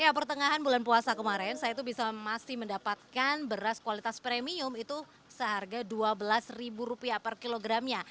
ya pertengahan bulan puasa kemarin saya itu bisa masih mendapatkan beras kualitas premium itu seharga rp dua belas per kilogramnya